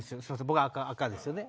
僕赤ですよね。